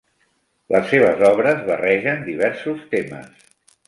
Les seves obres barregen diversos temes.